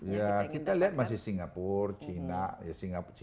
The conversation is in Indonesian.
ya kita lihat masih singapura cina